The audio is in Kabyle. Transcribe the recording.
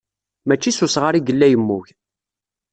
Mačči s usɣar i yella yemmug.